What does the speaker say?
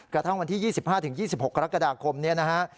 กระทั่งวันที่๒๕๒๖กรกฎาคมนี้นะฮะ